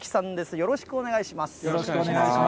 よろしくお願いします。